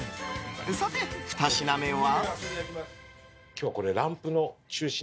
さて、２品目は。